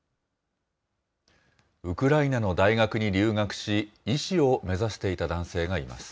ウクライナの大学に留学し、医師を目指していた男性がいます。